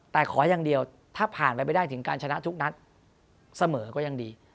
แต่ขออย่างเดียวถ้าผ่านไปไม่ได้ถึงการชนะทุกนัดเสมอก็ยังดี